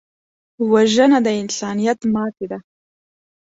وژنه د انسانیت ماتې ده